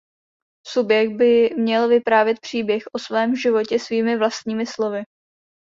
Subjekt by měl vyprávět příběh o svém životě svými vlastními slovy.